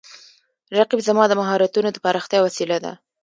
رقیب زما د مهارتونو د پراختیا وسیله ده